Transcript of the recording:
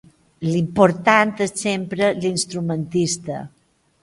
L'important és, sempre, l'instrumentista.